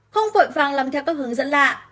không vội vàng làm theo các hướng dẫn lạ